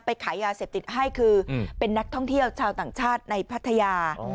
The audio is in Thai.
ขายยาเสพติดให้คือเป็นนักท่องเที่ยวชาวต่างชาติในพัทยา